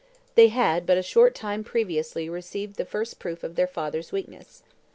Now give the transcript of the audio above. They had but a short time previously received the first proof of their father's weakness.